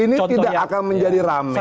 ini tidak akan menjadi rame